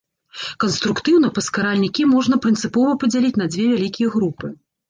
Канструктыўна паскаральнікі можна прынцыпова падзяліць на дзве вялікія групы.